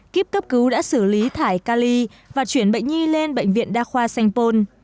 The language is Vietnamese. kíp cấp cứu đã xử lý thải cali và chuyển bệnh nhi lên bệnh viện đa khoa sanh pôn